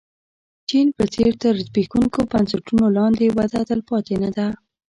چین په څېر تر زبېښونکو بنسټونو لاندې وده تلپاتې نه ده.